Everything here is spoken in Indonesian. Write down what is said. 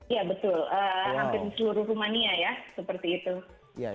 iya betul hampir di seluruh rumania ya